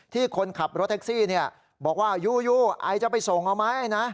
คนขับรถแท็กซี่บอกว่ายูไอจะไปส่งเอาไหมนะ